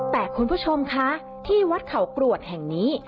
แต่คุณผู้ชมคะที่วัดเขากรวดแห่งนี้